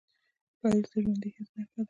ښایست د ژوندي حس نښه ده